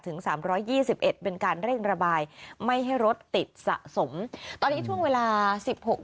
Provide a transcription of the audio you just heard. สามร้อยยี่สิบเอ็ดเป็นการเร่งระบายไม่ให้รถติดสะสมตอนนี้ช่วงเวลาสิบหก